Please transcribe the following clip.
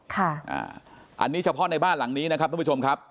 ค่ะอ่าอันนี้เฉพาะในบ้านหลังนี้นะครับทุกผู้ชมครับ